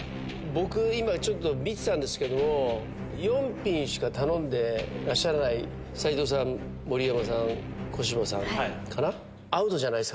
僕今見てたんですけど４品しか頼んでらっしゃらない斎藤さん盛山さん小芝さんかな。